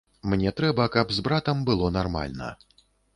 Мне трэба, каб з братам было нармальна.